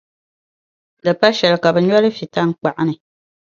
di pa shɛli ka bɛ no li fi taŋkpaɣu ni.